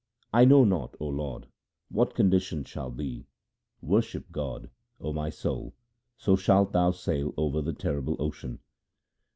I know not, O Lord, what my condition shall be. Worship God, O my soul, so shalt thou sail over the terrible ocean.